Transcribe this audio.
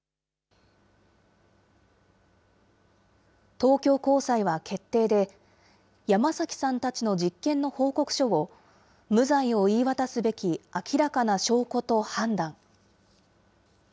東京高裁は決定で、山崎さんたちの実験の報告書を、無罪を言い渡すべき明らかな証拠と判断。